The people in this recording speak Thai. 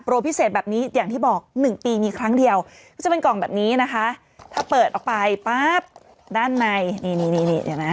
พิเศษแบบนี้อย่างที่บอกหนึ่งปีมีครั้งเดียวก็จะเป็นกล่องแบบนี้นะคะถ้าเปิดออกไปปั๊บด้านในนี่นี่เห็นไหม